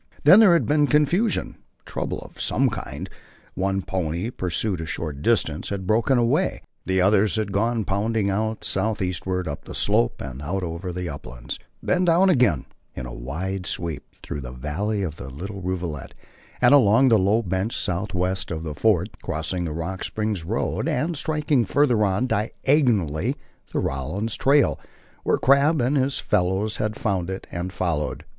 Then there had been confusion, trouble of some kind: One pony, pursued a short distance, had broken away; the others had gone pounding out southeastward up the slope and out over the uplands, then down again, in wide sweep, through the valley of the little rivulet and along the low bench southwest of the fort, crossing the Rock Springs road and striking, further on, diagonally, the Rawlins trail, where Crabb and his fellows had found it and followed.